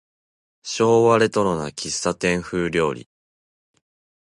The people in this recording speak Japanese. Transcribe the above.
昭和レトロな喫茶店風料理